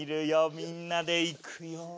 みんなでいくよ。